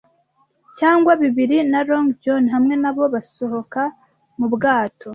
cyangwa bibiri, na Long John hamwe na bo, basohoka mu bwato